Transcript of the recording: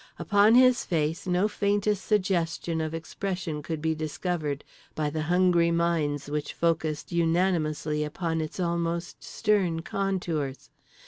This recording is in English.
Upon his face no faintest suggestion of expression could be discovered by the hungry minds which focussed unanimously upon its almost stern contours.